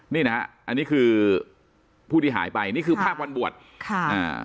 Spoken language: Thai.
นี่นะฮะอันนี้คือผู้ที่หายไปนี่คือภาพวันบวชค่ะอ่า